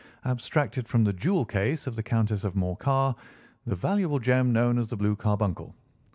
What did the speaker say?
abstracted from the jewel case of the Countess of Morcar the valuable gem known as the blue carbuncle.